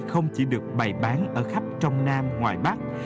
không chỉ được bày bán ở khắp trong nam ngoại bắc